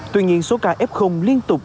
tuy nhiên số ca f liên tục